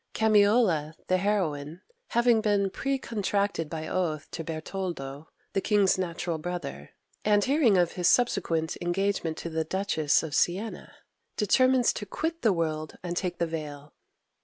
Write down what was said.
Camiola, the heroine, having been precontracted by oath to Bertoldo, the king's natural brother, and hearing of his subsequent engagement to the Duchess of Sienna, determines to quit the world and take the veil.